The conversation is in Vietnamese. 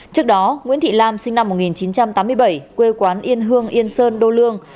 trước đó nguyễn thị lam sinh năm một nghìn chín trăm tám mươi bảy quê quán yên hương yên sơn đô lương